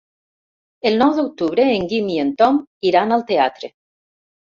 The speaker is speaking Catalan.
El nou d'octubre en Guim i en Tom iran al teatre.